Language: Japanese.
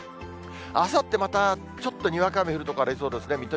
あさって、またちょっと、にわか雨降る所ありそうですね。